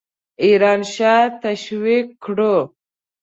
ایران شاه تشویق کړو.